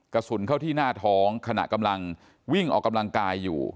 กระสุนเข้าที่หน้าท้องขณะกำลังวิ่งออกกำลังกายอยู่